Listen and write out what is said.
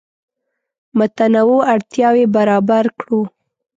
متنوع اړتیاوې برابر کړو.